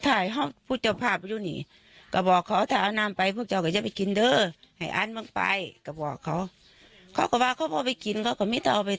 แต่มันทาผิวมันก็ระครายเคืองนะครับผม